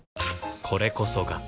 これこそが